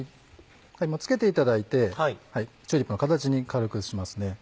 つけていただいてチューリップの形に軽くしますね。